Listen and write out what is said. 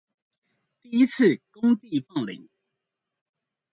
第一次公地放領